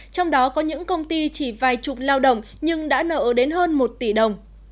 trong đó có những công ty chỉ vài chục lao động nhưng đã nợ đến hơn một tỷ đồng